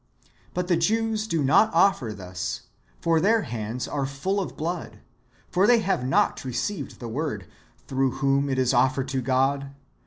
But the Jews do not offer thus : for their hands are full of blood ; for they have not received the Word, tlu'ough whom it is offered to God.